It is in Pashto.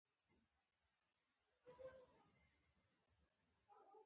اتم بست تر ټولو ټیټ دی